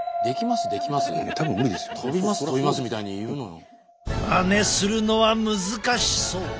まねするのは難しそう！